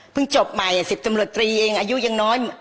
เพิ่งจบใหม่อ่ะสิบตำลวจตรีเองอายุยังน้อย